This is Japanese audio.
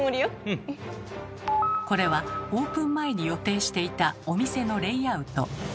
これはオープン前に予定していたお店のレイアウト。